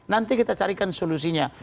nanti kita carikan solusinya